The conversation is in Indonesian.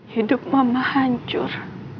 hidup mama hancur